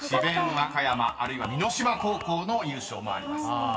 和歌山あるいは箕島高校の優勝もあります］